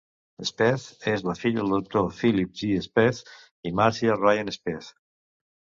Spaeth és la filla del doctor Philip G. Spaeth i Marcia Ryan Spaeth.